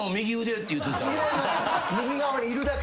違います。